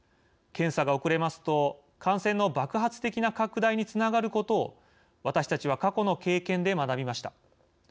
検査が遅れますと感染の爆発的な拡大につながることを私たちは過去の経験で学びました。